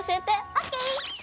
ＯＫ！